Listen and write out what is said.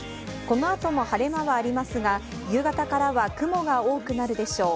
この後も晴れ間はありますが、夕方からは雲が多くなるでしょう。